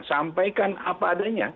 sampaikan apa adanya